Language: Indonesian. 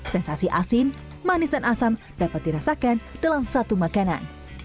sensasi asin manis dan asam dapat dirasakan dalam satu makanan